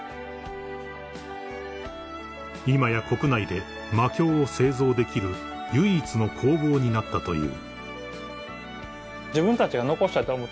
［今や国内で魔鏡を製造できる唯一の工房になったという］